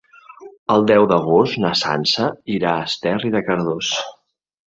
El deu d'agost na Sança irà a Esterri de Cardós.